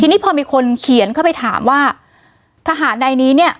ทีนี้พอมีคนเขียนเข้าไปถามว่าทหารในนี้เนี่ย